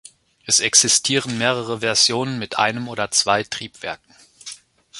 Es existieren mehrere Versionen mit einem oder zwei Triebwerken.